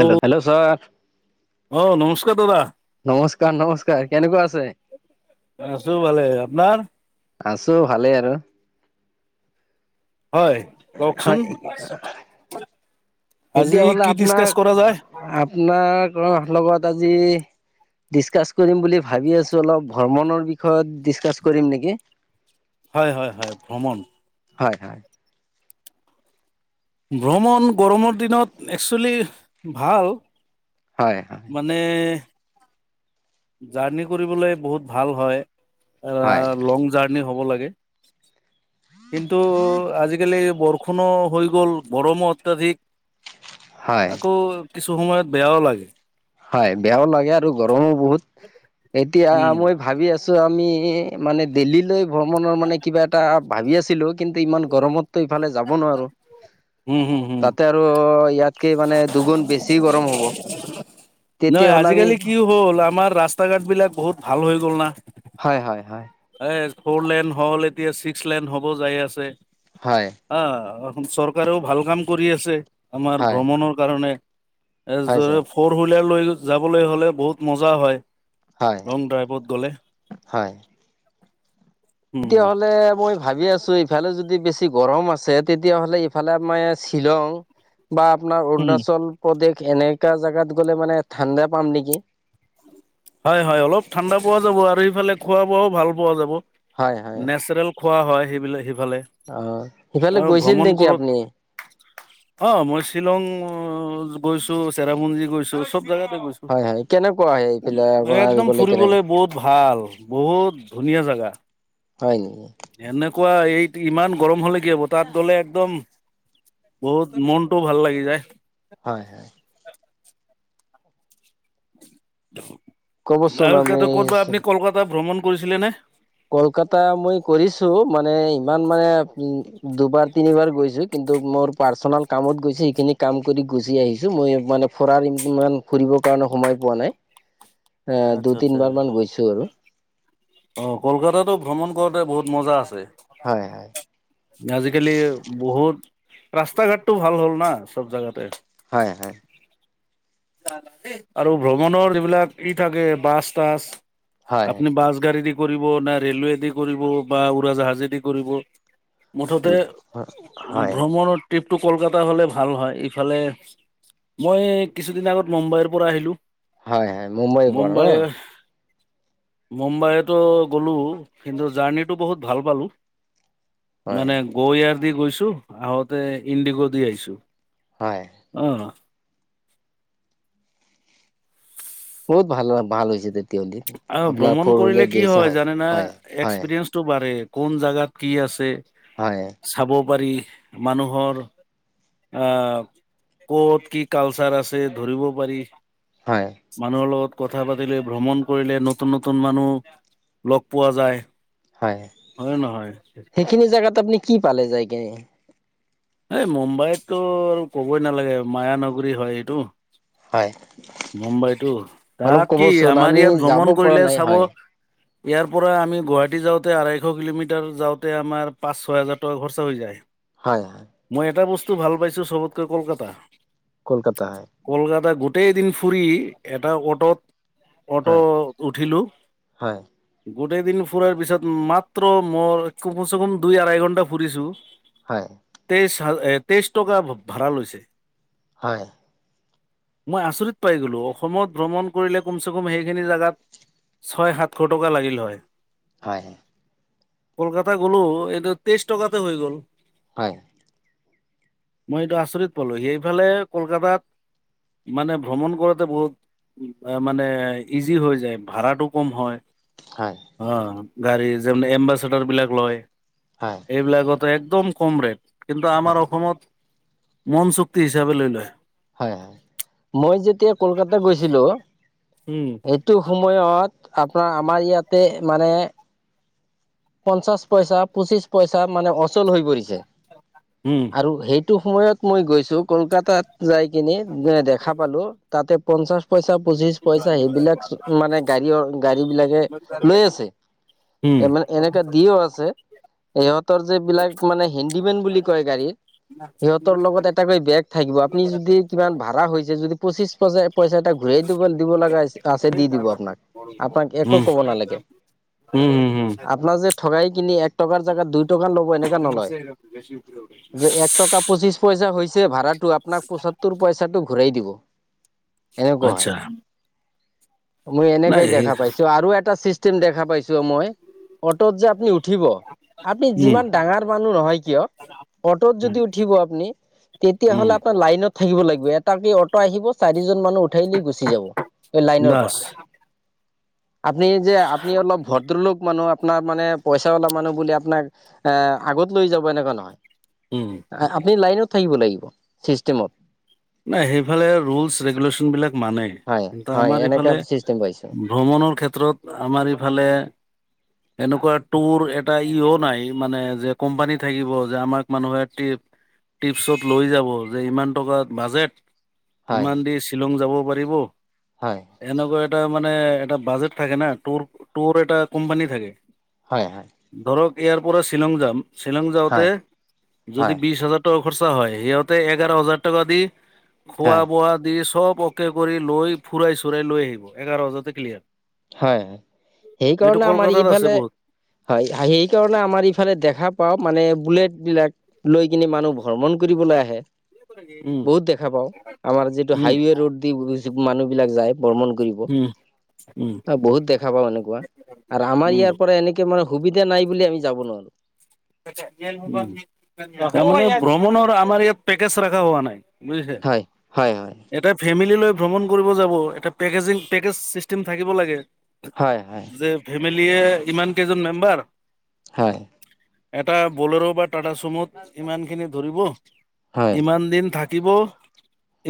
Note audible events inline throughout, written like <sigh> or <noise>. Hello, hello sir. অ নমস্কাৰ দাদা নমস্কাৰ- নমস্কাৰ কেনেকুৱা আছে? আছো ভালে। আপোনাৰ? আছো ভালেই আৰু। হয় কওকচোন। আজি এতিয়াহলে কি ডিচকাচ কৰা যায় আপোনাক- আপোনাৰ লগত আজি, ডিচকাচ কৰিম বুলি ভাবি আছো। অলপ ভ্ৰমণৰ বিষয়ত ডিচকাচ কৰিম নেকি। হয় - হয় ভ্ৰমণ হয়- হয়। ভ্ৰমণ গৰমৰ দিনত একচুৱেলি ভাল। হয় হয় মানে, জাৰ্ণি কৰিবলৈ বহুত ভাল হয়, অ, হয় লং জাৰ্ণি হ'ব লাগ কিন্তু আজিকালি বৰষ খোনো হৈ গ'ল, গৰমো অত্যাধিক। হয় আকৌ কিছু সময়ত বেয়াও লাগে। হয় বেয়াও লাগে আৰু গৰমো বহুত, এতিয়া উম মই ভাবি আছ চো আমি মানে দেল্লীলৈ ভ্ৰমণৰ মানে কিবা এটা ভাবি আছিলো, কিন্তু ইমান গৰমতটো ইফালে যাব নোৱাৰো। হুম হুম হুম তাতে আৰু ইয়াতকে মানে দুগুণ বেছি গৰম হ'ব। নহয় তেতিয়াহ'লে আমি আজিকালি কি হ'ল আমাৰ ৰাস্তা ঘাট বিলাক বহুত ভাল হৈ গ'ল না। হয়-হয়-হয়। এছ্ ফ'ৰলেন হ'ল, এতিয়া ছিক্সলেন হ'ব যাই আছে, হয় আ চৰকাৰেও ভাল কাম কৰি আছে, আমাৰ হয় ভ্ৰমণৰ কাৰণে। এ হয় ছাৰ জয়-ফ'ৰহুইলাৰ লৈ যাবলৈ হলে বহুত মজা হয়। হয় লং ড্ৰাইভত গ'লে। হয়। উম তেতিয়াহ'লে মই ভাবি আছো ইফালে যদি বেছি গৰম আছে তেতিয়াহ'লে ইফালে এয়া আমাৰ শ্বিলং। বা আপোনাৰ উম অৰুণাচল প্ৰদেশ। এনেকা জোগাত গ'লে মানে ঠাণ্ডা পাম নেকি। হয়-হয়, অলপ ঠাণ্ডা পোৱা যাব, আৰু ইফালে খোৱা বোৱাও ভাল পোৱা যাব। হয় হয় নেচাৰেল খোৱা হয় সেইবিলাক সেইফালে। অ'। সিফালে আৰু গৈছিল ভ্ৰমণ নেকি কৰক, আপুনি? অ, মই শ্বিলং গৈছো, চেৰাপুঞ্জি গৈছো চব জেগাতে গৈছোঁ হয়-হয়, কেনেকুৱা এই একদম ফুৰিবলৈ বহুত ভাল, বহুত ধুনীয়া জেগা। হয় নেকি। এনেকুৱা এই ইমান গৰম হ'লে কি হ'ব, তাত গলে একদম বহুত মনটোও ভাল লাগি যায়। হয়, হয়। <unintelligible> আৰু ক'বচোন <unintelligible> আমি আপুনি কলকাতা ভ্ৰমণ কৰিছিলেনে? কলকাতা মই কৰিছো মানে ইমান মানে দুবাৰ তিনিবাৰ গৈছো, কিন্তু মোৰ পাৰ্চনেল কামত গৈছো সেইখিনি কাম কৰি গুচি আহিছো। মই মানে ফৰাৰ ইমান ফুৰিবৰ কাৰণে সময় পোৱা নাই। অ, আচ্ছা দুই আচ্ছা তিনবাৰ মান গৈছো আৰু। অ', কলকাতাটো ভ্ৰমণ কৰোতে বহুত মজা আছে। হয় হয় আজিকালি বহুত ৰাস্তা ঘাটটো ভাল হ'ল না, চব জাগাতে। হয়, হয়। আৰু ভ্ৰমণৰ এইবিলাক, ই থাকে বাছ-তাছ হয় আপুনি বাছগাৰি দি কৰিব না, ৰে'লৱেদি কৰিব বা উৰাজাহাজেদি কৰিব। মুঠতে, হয় হয় ভ্ৰমণত ট্ৰিপটো কলকাতা হ'লে ভাল হয় ইফালে, মই কিছুদিন আগত মুম্বাইৰ পৰা আহিলোঁ। হয়-হয়, মুম্বাইৰ পৰা ন। মুম্বাইতো গ'লো, কিন্তু জাৰ্ণিটো বহুত ভাল পালোঁ। হয় মানে গ'য়াৰ দি গৈছো, আহোঁতে ইণ্ডিগ' দি আহিছো। হয় অ। বহুত ভাল-ভাল হৈছে তেত অ', ভ্ৰমণ কৰিলে কি হয় জানে না, হয় হয় এক্সপিৰিয়েঞ্চটো বাঢ়ে। কোন জাগাত কি আছে হয়। চাব পাৰি মানুহৰ আ, কত কি কালচাৰ আছে ধৰিব পাৰি হয় মানুহৰ লগত কথা পাতিলে ভ্ৰমণ কৰিলে নতুন নতুন মানুহ লগ পোৱা যায় হয়, হয় নে নহয়? সেইখিনি জোগাত আপুনি কি পালে যাই কি এই মুম্বাইততো আৰু কবই নালাগে মায়া নগৰী হয় এইটো হয় মুম্বাইতো অলপ তাত কি ক'বচোন আমাৰ আমি ইয়াত যাব ভ্ৰমণ পৰা কৰিলে নাই চাব হয় ইয়াৰ পৰা আমি গুৱাহাটী যাওঁতে আঢ়ৈশ কিলোমিটাৰ যাওঁতে আমাৰ পাঁচ ছয় হাজাৰ টকা খৰচা হৈ যায় হয় হয় মই এটা বস্তু ভাল পাইছো চবতকৈ কলকাতা কলকাতা হয় কলকাতা গোটেই দিন ফুৰি এটা অটত অট উঠিলো হয় গোটেই দিন ফুৰাৰ পিছত মাত্ৰ মই কমচে কম দুই আঢ়াই ঘন্টা ফুৰিছো হয়। তেই তেইশ টকা ভাড়া লৈছে হয়। মই আচৰিত পাই গলো অসমত ভ্ৰমণ কৰিলে কমচ কম সেইখিনি জোগাত ছয় সাতশ টকা লাগিল হয় হয়। কলকাতা গলো এইটো তেইছ টকাতে হৈ গ'ল হয়। মই এইটো আচৰিত পালো সেইফালে কলকাতাত মানে ভ্ৰমণ কৰাোতে বহুত মানে ইজি হৈ যায় ভাড়াটো কম হয় হয় অ গাড়ী যে এম্বাচডাৰ বিলাক লয় এইবিলাকত একদম কম ৰেট কিন্তু আমাৰ হয় অসমত মন চুক্তি হিচাপে লৈ লয় হয়, হয় মই যেতিয়া কলকাত গৈছিলো উম সেইটো সময়ত আপোনাৰ আমাৰ ইয়াতে মানে পঞ্চাশ পইচা, পঁচিশ পইচা মানে অচল হৈ পৰিছে উম আৰু সেই এইটো সময়ত মই গৈছো, কলকাতাত যাই কিনে দেখা পালো তাতে পঞ্চাশ পইচা, পঁচিশ পইচা, সেইবিলাক মানে গাড়ী, গাড়ী বিলাকে লৈ আছে। উম। মানে এনেকা দিও আছে, ইহঁতৰ যে বিলাক মানে হেডিমেন বুলি কয় গাড়ী। সিহঁতৰ লগত এটাকৈ বেগ থাকিব। আপুনি যদি কিমান ভাড়া হৈছে যদি পঁচিশ পইচা, পইচা এটা ঘূৰাই দিব, দিব লগা আছে, দি, দিব আপোনাক, আপোনাক একো উম কব নালাগে। উম, হুম, হুম। আপোনাৰ যে ঠগাই কিনি এক টকাৰ, জোগাত দুই টকা ল'ব এনেকা নলয়। যে এক টকা পঁচিশ পইচা হৈছে ভাড়াটো, আপোনাক পচসত্তৰ পইচাটো ঘূৰাই দিব। এনেকুৱা হয় আচ্ছা। মই নাই এনেকাই সেই দেখা পাইছো আৰু এটা চিষ্টেম দেখা পাইছো মই। অটত যে আপুনি উঠিব, আপুনি উম যিমান ডাঙৰ মানুহ নহয় কিয় অটোত উম যদি উঠিব আপুনি উম তেতিয়াহ'লে আপোনাৰ লাইনত থাকিব লাগিব। এটা কে অট আহিব, চাৰিজন মানুহ উঠাই দি গুচি যাব। এই লাইনৰ পৰা। বাছ আপুনি যে, আপুনি অলপ ভদ্ৰলোক মানুহ। আপোনাৰ মানে পইচা ওলা মানুহ বুলি আপোনাক এ, আগত লৈ যাব এনেকুৱা নহয়। উম আপুনি লাইনত থাকিব লাগিব, চিষ্টেমত। নাই সেইফালে ৰুলচ, ৰেগুলেশ্যন বিলাক মানেই। হয় কিন্তু হয় আমাৰ এনেকা ইফালে চিষ্টেম পাইছোঁ। ভ্ৰমণৰ ক্ষেত্ৰত আমাৰ ইফালে এনেকুৱা টুৰ এটা ইয় নাই মানে যে কোম্পানী থাকিব যে আমাক মানুহে টিপছত লৈ যাব যে ইমান টকাত বাজেট, হয় ইমান দি শ্বিলং যাব পাৰিব, হয় এনেকুৱৈ এটা মানে এটা বাজেট থাকে না, টোৰ, টোৰ এটা কোম্পানী থাকে। হয়, হয়। ধৰক ইয়াৰ পৰা শ্বিলং যাম, শ্বিলং যাওঁতে হয় যদি হয় বিশ হাজাৰ টকা খৰচা হয়, সিহঁতে এঘাৰ হাজাৰ টকা দি, খোৱা, হয় বোৱা দি, চব পকে কৰি লৈ ফুৰাই, চুৰাই লৈ আহিব। এঘাৰহাজাৰতে ক্লিয়াৰ। হয়, এইটো সেইকাৰণে আমাৰ কলকাতাত আছে ইফালে বহুত হয়, সেই কাৰণে আমাৰ ইফালে দেখা পাও, মানে বুলেট বিলাক লৈ কিনে মানুহ ভ্ৰমণ কৰিবলৈ আহে, উম বহুত দেখা পাও, আমাৰ যিটো উম হাইৱে ৰোদ দি মানুহ বিলাক যায় ভ্ৰমন কৰিব। উম উম অ, বহুত দেখা পাও, এনেকুৱা আৰু আমাৰ উম ইয়াৰ পৰা এনেকে মানে সুবিধা নাই বুলি আমি যাব নোৱাৰো। ভ্ৰমণৰ আমাৰ ইয়াত পেকেজ ৰখা হোৱা নাই। বুজিছে, হয়, হয়, হয়, এটা ফেমিলি লৈ ভ্ৰমণ কৰিব যাব, এটা পেকেজিং, পেকেজ চিষ্টেম থাকিব লাগে। হয়, হয়। কীয়ে ইমান কৈছিজন মেম্বাৰ হয়। এটা বলেৰো বা টাটা চুমুত ইমানখিনি ধৰিব, হয়, ইমান দিন থ থাকিব,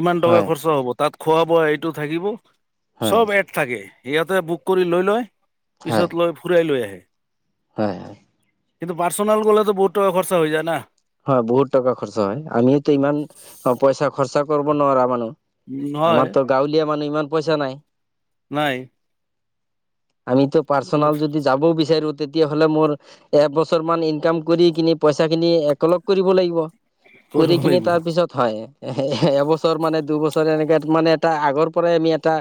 ইমান টকা হয়, খৰচা হ'ব। তাত খোৱা, বোৱা এইটো থাকিব। হয়, চব এড থাকে, সিহঁতে বুক কৰি লৈ লয়, হয়, পিছত লৈ ফুৰাই লৈ আহে। হয়, হয়। কিন্তু পাৰ্চনাল গলেনু বহুত টকা খৰচা হৈ যায় না। হয়, বহুত টকা খৰচা হয়। আমিয়টো ইমান অ, পইচা খৰচা কৰিব নোৱাৰা মানুহ। নহয় আমাৰতো গাঁৱলীয়া মানুহ ইমান পইচা নাই। নাই। আমিতো পাৰ্চনেল যদি যাবও বিচাৰো তেতিয়াাহলে মোৰ এবছৰ মান ইনকাম কৰি কিনে পইচা খিনি এককলগ কৰিব লাগিব। কৰি কৰিব কিনি লাগিব তাৰ পিছত হয়। এ, এবছৰ মানে দুইবছৰ, এনেকে মানে এটা আগৰ পৰাই আমি এটা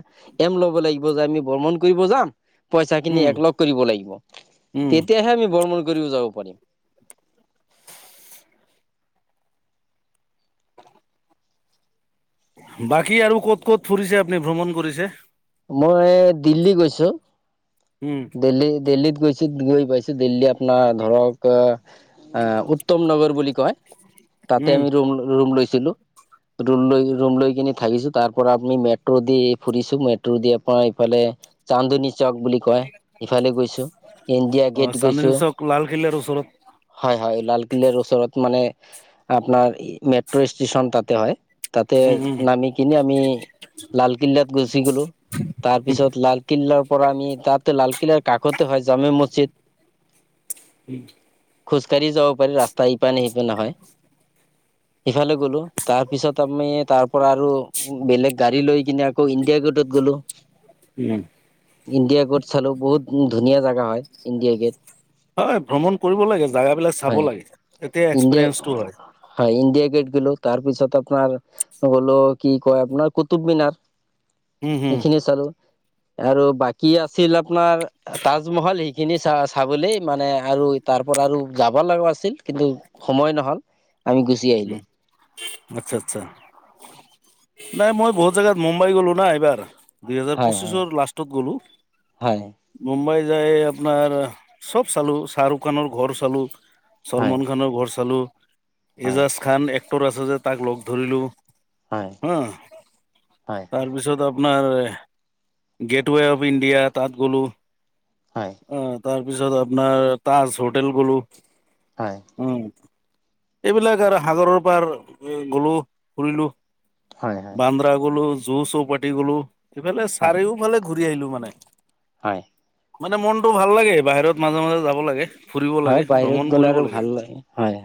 এম ল'ব লাগিব, যে আমি ব্ৰমন কৰিব যাম। পইচা খিনি উম এককলগ কৰিব লাগিব। উম তেতিয়াহে আমি ব্ৰৰ্মন কৰিব যাব পাৰিম। বাকী আৰু ক'ত, ক'ত ফুৰিছে আপুনি ভ্ৰমণ কৰিছে। মই দিল্লী গৈছো। উম দিল্লী, দিল্লীত গৈছো গৈ পাইছো, দিল্লী আপোনাৰ ধৰক উত্তম নগৰ বুলি কয়। তাতে উম আমি ৰুম, ৰুম লৈছিলো। ৰুম লৈ, ৰুম লৈ কিনি থাকিছো, তাৰ পৰা আপুনি মেট্ৰ' দি ফুৰিছো, মেট্ৰ দি আপোনাৰ এইফালে চান্দনী চক বুলি কয়। ইফালে গৈছো, ইণ্ডিয়া অ গেট গৈছো, চান্দনী চক লালকিল্লাৰ ওচৰত হয়। হয়, লালকিল্লাৰ ওচৰত মানে, আপোনাৰ মেট্ৰ' ষ্টচন তাতে হয়। তাতে উম উম নামি কিননে আমি লালকিল্লাত গুচি গলো। তাৰ পিছত লালকিল্লাৰ পৰা আমি তাতে লাল কিলাৰ কাষতে হয়, জামে মজিদ উম। খোজকাঢ়ি যাব পাৰি, ৰাস্তা ইপা নে, সিপানে নহয়। ইফালে গ'লো তাৰপিছত আমি তাৰ পৰা আৰু বেলেগ গাড়ী লৈ কিনে, আকৌ ইণ্ডিয়া গেটত গ'লো। উম ইণ্ডিয়া গেট চালো, বহুত ধুনীয়া জোগা হয় ইণ্ডিয়া গেট। হয়, ভ্ৰমণ কৰিব লাগে, জেগা বিলাক চাব হয় লাগে। তেতিয়া ইণ্ডিয়া এক্সপিৰিয়েঞ্চটো হয় হয়, ইণ্ড য়া, গেট গিলো, তাৰ পিছত আপোনাৰ হল কি কয়, আপোনাৰ কুতুবমিনাৰ উম হুম এইখিনিয়ে চালো। আৰু বাকী আছিল আপোনাৰ তাজমহল সেইখিনি চ, চাবলে মানে আৰু তাৰ পৰা আৰু যাব লগা আছিল, কিন্তু সময় নহল। আমি গুচি আহিলো উম, আচ্ছা, আচ্ছা। নাই মই বহুত জেগাত, মুম্বাই গ'লো না, এইবাৰ দুই হোজাৰ হয় হয় পঁচিছৰ লাষ্টত গ'লো হয় মুম্বাই য, আপোনাৰ চব চালো, শ্বাহৰুখ খানৰ ঘৰ চালো। হয় চলমান খানৰ ঘৰ চালো, হয় এজাজ খান এক্টৰ আছে যে, তাক লগ ধৰিলো। হয় হা, হয় তাৰপিছত আ আপোনাৰ গেটৱে অফ ইণ্ডিয়া তাত গ'লোঁ হয় হয় তাৰ তাৰপিছত আপোনাৰ তাজ হোটেল গলো উম। এইবিলাক আৰু সাগৰৰ পাৰ গলো, ফুৰিলো, হয় হয় বান্দ্ৰা গলো। জোৰ চোৰ পাতি গলো, সিফালে হয় চাৰিওফালে ঘূৰি আহিলো মানে। হয়। মানে মনটো ভাল লাগে। বাহিৰত মাজে, মাজে যাব লাগে। ফুৰিব হয় লাগে, বাহিৰত ভ্ৰমণ গ'লে কৰিব আৰু লাগে, ভাল হয়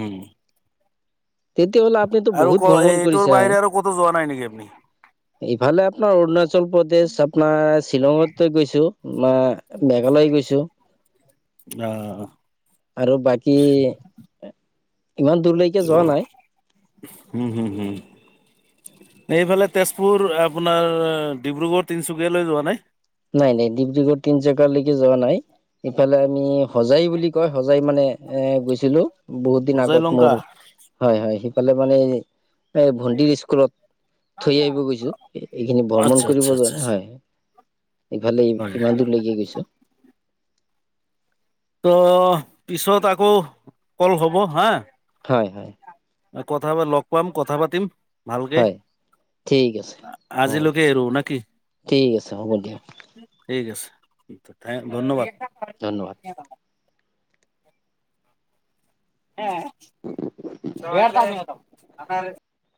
উম। তেতিয়াহ'লে আপুনিতো আৰু বহুত ক, ভ্ৰমণ এইটোৰ কৰিছে হয় বাহিৰে আৰু কতো যোৱা নাই, নেকি আপুনি ইফালে আপোনাৰ অৰুণাচল প্ৰদেশ, আপোনাৰ শ্বিলঙতৈ গৈছো। মই মেঘালয় গৈছো। অ'। আৰু বাকী ইমান দূৰলৈকে অ, যোৱা নাই হম, হম, হম। এইফালে তেজপুৰ আপোনাৰ ডিব্ৰুগড়, তিনচুকীয়ালৈ যোৱা নাই। নাই, নাই ডিব্ৰুগড় তিন জেগালৈকে যোৱা নাই, ইফালে আমি হোজাই বুলি কয়, সজাই মানে এ, গৈছিলো বহুত দিন হোজাই আগত লংকা মোৰ হয়, হয়। ফালে মানে এই, এই ভন্টিৰ স্কুলত। থৈ আহিব গৈছো, এইখিনি ভ্ৰমণ আচ্ছা আচ্ছা কৰিব যোৱা আচ্ছা নাই, আচ্ছা হয়, ইফালে হয় ইম-ইমান দূৰলৈকে গৈছো। ত' পিছত আকৌ কল হ'ব হা। 'হয়', 'হয়' কথা পা লগ পাম, কথা পাতিম, ভালকে হয় ঠিক আছে। অ আ-আজিলৈ এৰো, নে কি? ঠিক আছে হ'ব দিয়ক ঠিক আছে, থেংক ধন্যবাদ। ধন্যবাদ। <unintelligible>